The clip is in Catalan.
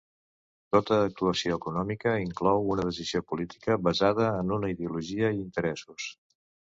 Tota actuació econòmica inclou una decisió política basada en una ideologia i interessos.